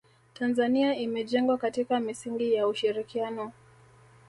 tanzania imejengwa katika misingi ya ushirikiano